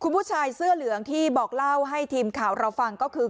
คุณผู้ชายเสื้อเหลืองที่บอกเล่าให้ทีมข่าวเราฟังก็คือ